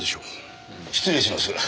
失礼します。